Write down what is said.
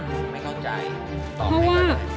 ไม่เข้าใจ